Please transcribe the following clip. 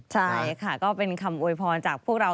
ใช่ค่ะก็เป็นคำโวยพรจากพวกเรา